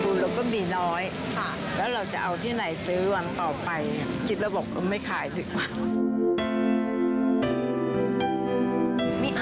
เราก็มีน้อยแล้วเราจะเอาที่ไหนซื้อวันต่อไปคิดแล้วบอกเออไม่ขายดีกว่า